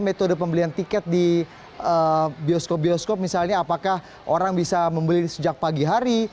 metode pembelian tiket di bioskop bioskop misalnya apakah orang bisa membeli sejak pagi hari